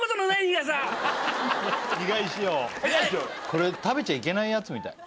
これ食べちゃいけないやつみたい